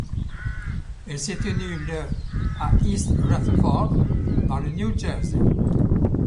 Elle s'est tenue le à East Rutherford dans le New Jersey.